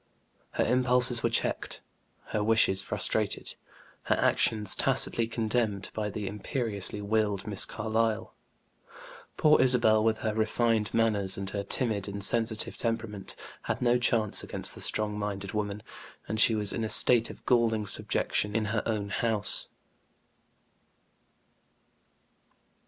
Her impulses were checked, her wishes frustrated, her actions tacitly condemned by the imperiously willed Miss Carlyle. Poor Isabel, with her refined manners and her timid and sensitive temperament, had no chance against the strong minded woman, and she was in a state of galling subjection in her own house.